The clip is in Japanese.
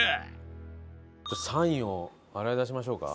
３位を洗い出しましょうか？